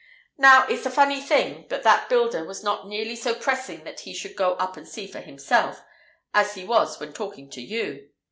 "Now it's a funny thing, but that builder was not nearly so pressing that he should go up and see for himself, as he was when talking to you.